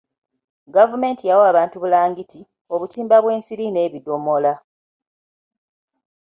Gavumenti yawa abantu bulangiti, obutimba bw'ensiri n'ebidomola.